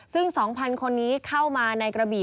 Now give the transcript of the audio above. ซึ่ง๒๐๐คนนี้เข้ามาในกระบี่